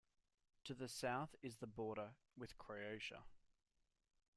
To the south is the border with Croatia.